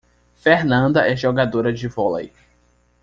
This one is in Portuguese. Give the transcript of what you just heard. Fernanda é jogadora de vôlei.